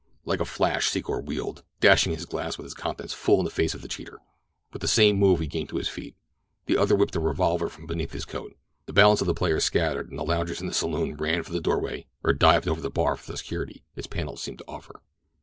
Like a flash Secor wheeled, dashing his glass with its contents full in the face of the cheater. With the same move he came to his feet. The other whipped a revolver from beneath his coat. The balance of the players scattered, and the loungers in the saloon ran for the doorway or dived over the bar for the security its panels seemed to offer.